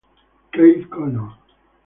Keith Connor